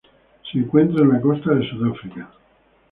Se encuentran en la costa de Sudáfrica.